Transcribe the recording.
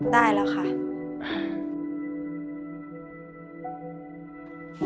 ได้แล้วค่ะ